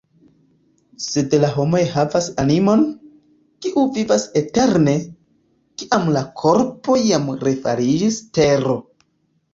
Sed la homoj havas animon, kiu vivas eterne, kiam la korpo jam refariĝis tero.